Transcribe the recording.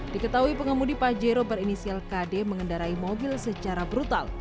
diketahui pengemudi pajero berinisial kd mengendarai mobil secara brutal